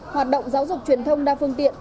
hoạt động giáo dục truyền thông đa phương tiện